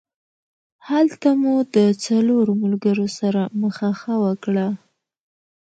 هلته مو د څلورو ملګرو سره مخه ښه وکړه.